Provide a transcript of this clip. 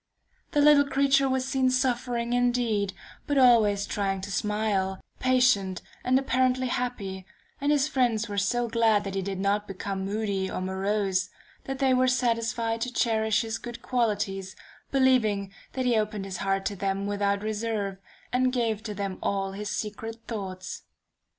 The little creature was seen suffering indeed, but always trying to smile, patient and apparently happy and his friends were so glad that he did not become moody or morose, that they were satisfied to cherish his good qualities, believing that he opened his heart to them without reserve, and gave to them all his secret thoughts.